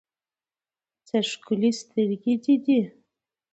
څه ښکلي سترګې دې دي